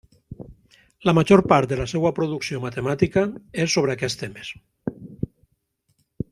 La major part de la seva producció matemàtica és sobre aquests temes.